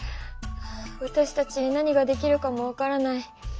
わたしたちに何ができるかも分からない。